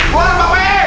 keluar bapak e